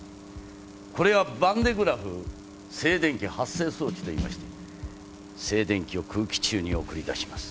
これはバンデグラフ静電気発生装置と言いまして静電気を空気中に送り出します。